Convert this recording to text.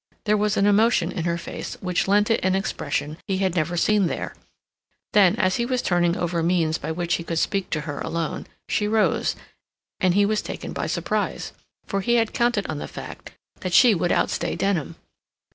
There was an emotion in her face which lent it an expression he had never seen there. Then, as he was turning over means by which he could speak to her alone, she rose, and he was taken by surprise, for he had counted on the fact that she would outstay Denham.